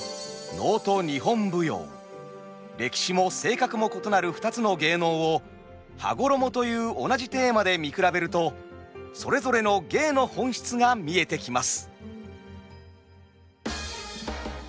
歴史も性格も異なる２つの芸能を「羽衣」という同じテーマで見比べるとそれぞれの芸の本質が見えてきます。